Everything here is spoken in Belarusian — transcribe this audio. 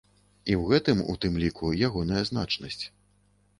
І ў гэтым, у тым ліку, ягоная значнасць.